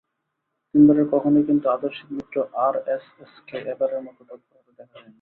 তিনবারের কখনোই কিন্তু আদর্শিক মিত্র আরএসএসকে এবারের মতো তৎপর হতে দেখা যায়নি।